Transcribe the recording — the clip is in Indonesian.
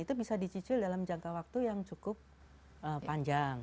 itu bisa dicicil dalam jangka waktu yang cukup panjang